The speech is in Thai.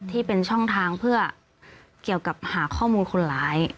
ที่เป็นช่องทางเพื่อเกี่ยวกับหาข้อมูลคนร้าย